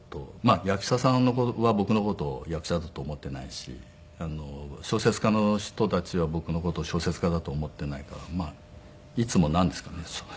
役者さんは僕の事を役者だと思っていないし小説家の人たちは僕の事を小説家だと思っていないからいつもなんですかね。